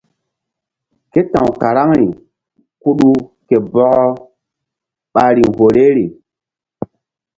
Ke ta̧w karaŋri kuɗu ke bɔkɔ ɓa riŋ horoŋri.